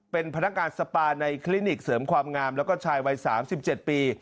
เป็นพนักงานสปาในคลินิกเสริมความงามแล้วก็ชายวัย๓๗ปี